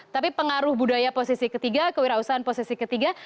tapi pengaruh budaya posisi ketiga kewirausahaan posisi ketiga